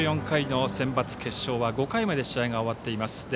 ９４回のセンバツ決勝は５回まで試合が終わっています。